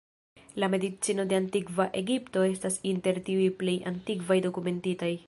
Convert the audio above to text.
La medicino de Antikva Egipto estas inter tiuj plej antikvaj dokumentitaj.